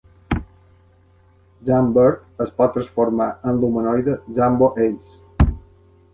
Zambird es pot transformar en l'humanoide Zambo Ace.